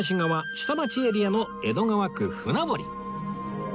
下町エリアの江戸川区船堀